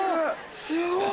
すごい！